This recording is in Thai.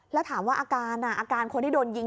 แล้วถามว่าอาการอาการคนที่โดนยิง